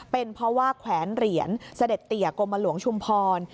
เป็นเพราะว่าแขวนเหรียญเสด็จเตียกรมหลวงชุมพร